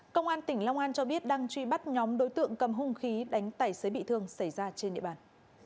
công an tỉnh long an cho biết đang truy bắt nhóm đối tượng cầm hung khí đánh tài xế bị thương xảy ra trên địa bàn